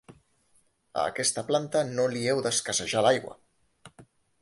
A aquesta planta, no li heu d'escassejar l'aigua.